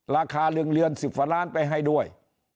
ราคาเรืองเรือน๑๐กว่าล้านไปให้ด้วย